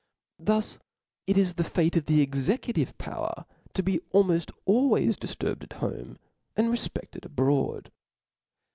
Thus it is the fate of the executive power to be almoft always difturbed at home and refpeded abroad.